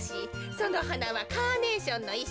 そのはなはカーネーションのいっ